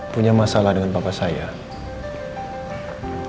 punya masalah dengan papa sayanya